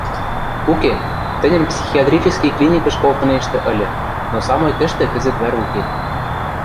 — Уке, тӹньӹм психиатрический клиникӹш колтынештӹ ыльы, но самой тӹштӹ кӹзӹт вӓр уке...